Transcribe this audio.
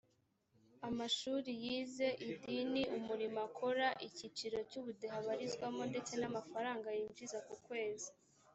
amashuri yize idini umurimo akora icyiciro cy ubudehe abarizwamo ndetse n amafaranga yinjiza ku kwezi